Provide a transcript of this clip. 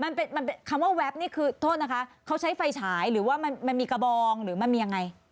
มันเป็นคำว่าแป๊บนี่คือโทษนะคะเขาใช้ไฟฉายหรือว่ามันมันมีกระบองหรือมันมียังไง